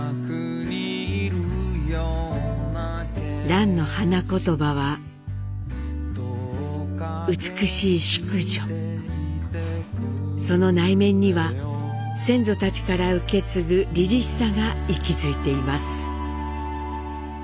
蘭の花言葉はその内面には先祖たちから受け継ぐりりしさが息づいています。